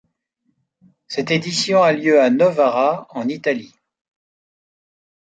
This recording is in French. Cette édition a lieu à Novara, en Italie.